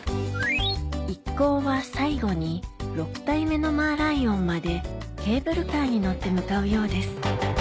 一行は最後に６体目のマーライオンまでケーブルカーに乗って向かうようです